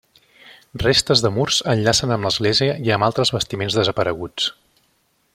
Restes de murs enllacen amb l'església i amb altres bastiments desapareguts.